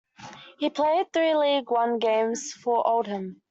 He played three League One games for Oldham.